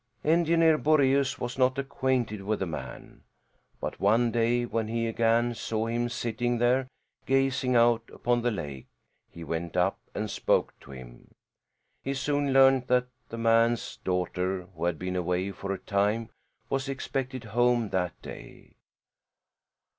Engineer Boreaus was not acquainted with the man. But one day when he again saw him sitting there gazing out upon the lake, he went up and spoke to him. He soon learned that the man's daughter, who had been away for a time, was expected home that day.